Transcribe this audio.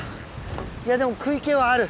いやでも食い気はある。